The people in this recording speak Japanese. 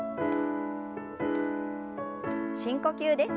深呼吸です。